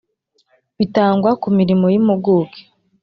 bitangwa ku mirimo y impuguke